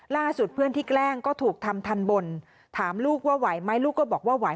เพื่อนที่แกล้งก็ถูกทำทันบนถามลูกว่าไหวไหมลูกก็บอกว่าไหว